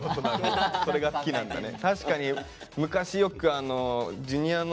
それが好きなんだね。